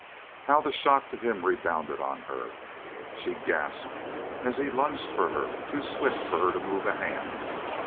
How the shock to him rebounded on her! She gasped as he lunged for her, too swift for her to move a hand.